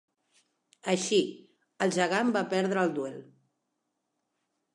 Així, el gegant va perdre el duel.